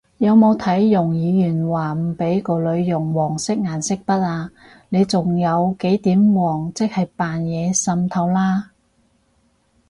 有冇睇容議員話唔畀個女用黃色顏色筆啊？你仲有幾點黃即係扮嘢滲透啦！？